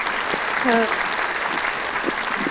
中国翻译家和比较文学家。